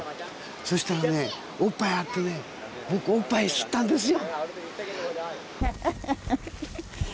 そしたらおっぱいが張ってて僕おっぱいを吸ったんですよ。